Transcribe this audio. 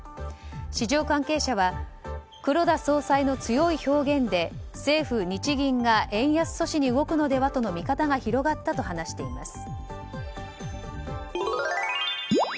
市場関係者は黒田総裁の強い表現で政府・日銀が円安阻止に動くのではとの見方が広がったと話しています。